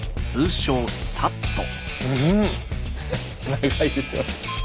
長いですよ。